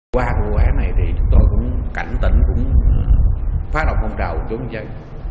qua vụ án này thì chúng tôi cũng cảnh tỉnh cũng phá đọc phong trào của chúng tôi